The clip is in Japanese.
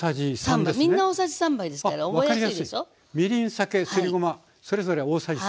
酒すりごまそれぞれ大さじ３。